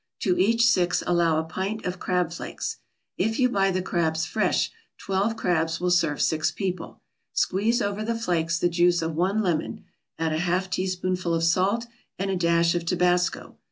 To each six allow a pint of crab flakes. If you buy the crabs fresh, twelve crabs will serve six people. Squeeze over the flakes the juice of one lemon, add a half teaspoonful of salt and a dash of Tabasco.